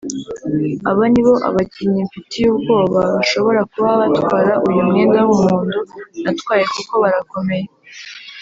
Abo ni abakinnyi mfitiye ubwoba bashobora kuba batwara uyu mwenda w’umuhondo natwaye kuko barakomeye